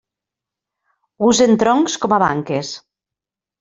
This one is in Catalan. Usen troncs com a banques.